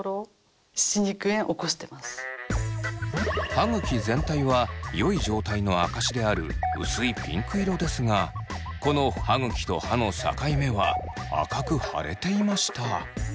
歯ぐき全体はよい状態の証しである薄いピンク色ですがこの歯ぐきと歯の境目は赤く腫れていました。